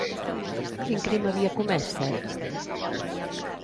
Quin crim havia comès Cet?